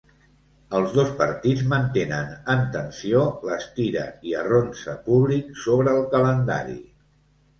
Els dos partits mantenen en tensió l’estira-i-arronsa públic sobre el calendari.